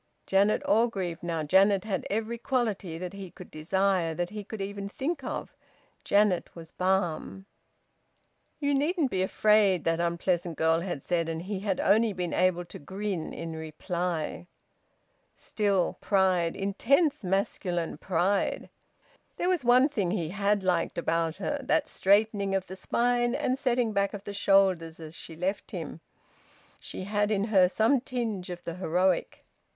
"Janet Orgreave, now!" Janet had every quality that he could desire, that he could even think of. Janet was balm. "You needn't be afraid," that unpleasant girl had said. And he had only been able to grin in reply! Still, pride! Intense masculine pride! There was one thing he had liked about her: that straightening of the spine and setting back of the shoulders as she left him. She had in her some tinge of the heroic.